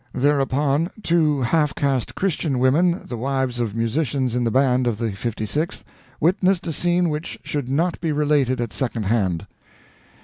Thereupon two half caste Christian women, the wives of musicians in the band of the Fifty sixth, witnessed a scene which should not be related at second hand.